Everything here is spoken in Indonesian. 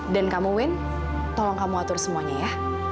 dan kamu win tolong kamu atur semuanya ya